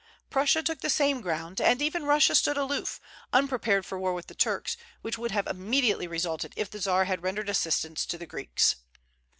Prussia took the same ground; and even Russia stood aloof, unprepared for war with the Turks, which would have immediately resulted if the Czar had rendered assistance to the Greeks.